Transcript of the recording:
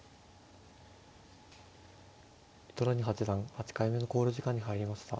糸谷八段８回目の考慮時間に入りました。